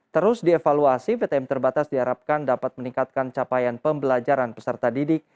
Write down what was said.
terus dievaluasi ptm terbatas diharapkan dapat meningkatkan capaian pembelajaran peserta didik